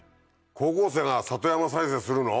高校生が里山再生するの？